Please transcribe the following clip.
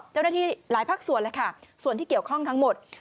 เจ้าหน้าที่หลายภาคส่วนเลยค่ะส่วนที่เกี่ยวข้องทั้งหมด